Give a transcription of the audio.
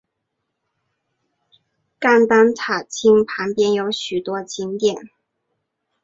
甘丹塔钦旁边有许多景点。